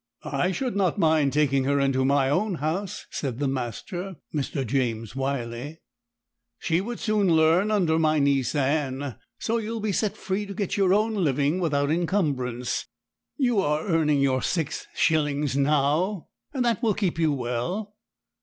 'I should not mind taking her into my own house,' said the master, Mr. James Wyley; 'she would soon learn under my niece Anne. So you will be set free to get your own living without encumbrance; you are earning your six shillings now, and that will keep you well.'